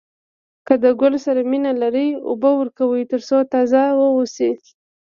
که د ګل سره مینه لرئ اوبه ورکوئ تر څو تازه واوسي.